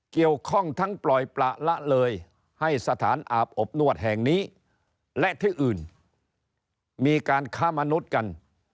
เกี่ยวข้องทั้งปล่อยประละเลยให้สถานอาบอบนวดแห่งนี้และที่อื่นมีการค้ามนุษย์กัน